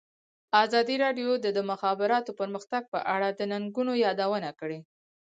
ازادي راډیو د د مخابراتو پرمختګ په اړه د ننګونو یادونه کړې.